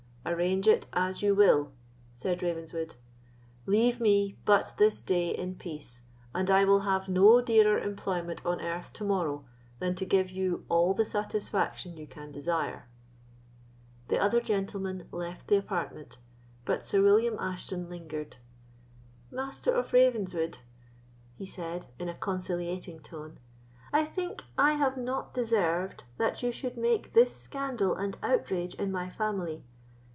"Arrange it as you will," said Ravenswood; "leave me but this day in peace, and I will have no dearer employment on earth to morrow than to give you all the satisfaction you can desire." The other gentlemen left the apartment; but Sir William Ashton lingered. "Master of Ravenswood," he said, in a conciliating tone, "I think I have not deserved that you should make this scandal and outrage in my family.